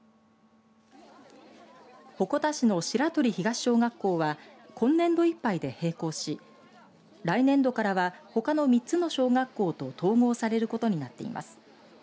鉾田市の白鳥東小学校は今年度いっぱいで閉校し来年度からはほかの３つの小学校と統合されることになっています。